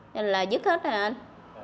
nên là dứt hết rồi anh